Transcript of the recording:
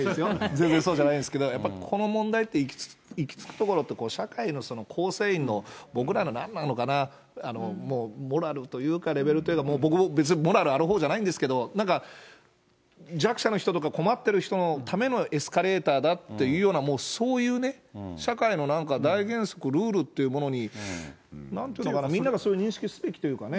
全然そうじゃないんですけど、この問題って行き着くところって、社会のその構成員の僕らのなんなのかな、もうモラルというか、レベルというか、僕も別にモラルあるほうじゃないんですけど、なんか弱者の人とか、困っている人のためのエスカレーターだというもうそういうね、社会の大原則、ルールっていうものに、なんていうか、みんながそういう認識すべきというかね。